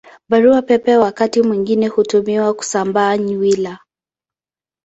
Barua Pepe wakati mwingine hutumiwa kusambaza nywila.